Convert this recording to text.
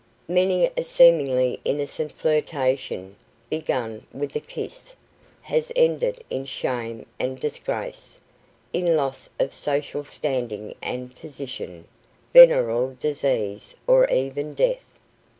Many a seemingly innocent flirtation, begun with a kiss, has ended in shame and disgrace, in loss of social standing and position, venereal disease, or even death.